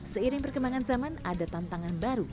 seiring perkembangan zaman ada tantangan baru